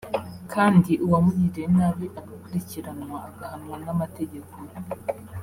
kandi uwamugiriye nabi agakurikiranwa agahanwa n’amategeko